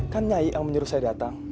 kan nyai yang menyuruh saya datang